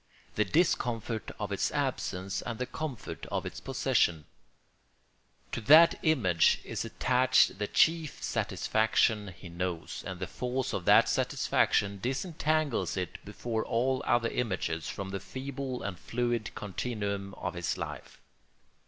The discomfort of its absence and the comfort of its possession. To that image is attached the chief satisfaction he knows, and the force of that satisfaction disentangles it before all other images from the feeble and fluid continuum of his life.